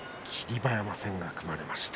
馬山戦が組まれました。